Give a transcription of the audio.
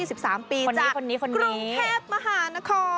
คนนี้คนนี้คนนี้คนนี้กรุงแพพมหานคร